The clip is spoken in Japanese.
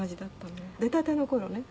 「出たての頃ね。